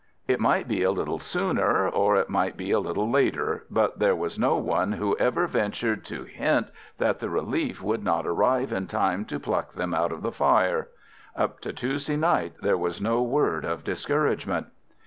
It might be a little sooner or it might be a little later, but there was no one who ever ventured to hint that the relief would not arrive in time to pluck them out of the fire. Up to Tuesday night there was no word of discouragement.